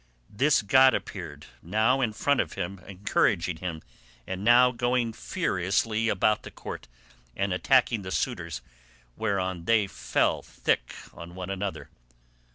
This god appeared, now in front of him encouraging him, and now going furiously about the court and attacking the suitors whereon they fell thick on one another."